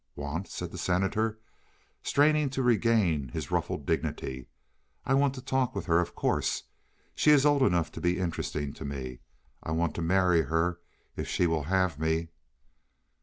"Want!" said the Senator, straining to regain his ruffled dignity. "I want to talk with her, of course. She is old enough to be interesting to me. I want to marry her if she will have me."